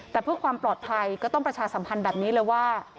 แต่เพื่อความปลอดภัยก็ต้องประชาสัมพันธ์แบบนี้เลยว่า